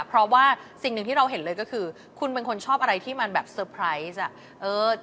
เพราะว่าสิ่งหนึ่งที่เราเห็นเลยก็คือคุณเป็นคนชอบอะไรที่มันแบบเซอร์ไพรส์อ่ะ